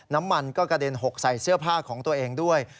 น้ำมันก็กระเด็นหกใส่เสื้อผ้าของตัวเองด้วย